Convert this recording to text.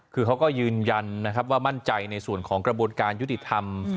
คือเขาก็ยืนยันนะครับว่ามั่นใจในส่วนของกระบวนการยุติธรรม